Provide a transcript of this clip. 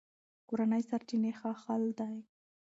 کورني سرچینې ښه حل دي.